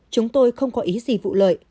chúng tôi không có ý gì vụ lợi